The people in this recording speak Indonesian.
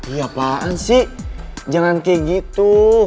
ya apaan sih jangan kayak gitu